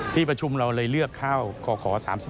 ที่ประชุมเราเลยเลือกข้าวขอ๓๔